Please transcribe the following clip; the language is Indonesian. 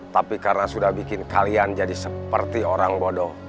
tapi karena sudah bikin kalian jadi seperti orang bodoh